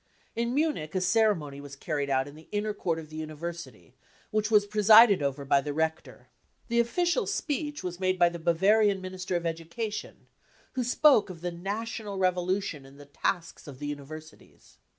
In Munich a ceremony was carried out in the inner court of the University, which was presided over by the rector. The official speech was made by the Bavarian Minister of Education, who spokeof the national revolution and the tasks of the universities.